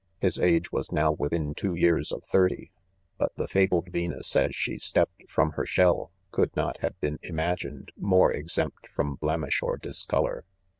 15 His age was now within two years of thir ty ; but the fabled Yen us, as she stepped from her shell, could not have been imagined more exempt from blemish or discolor.